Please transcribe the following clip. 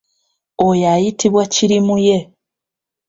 Oyo ayitibwa kirimuye.